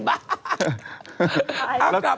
จากธนาคารกรุงเทพฯ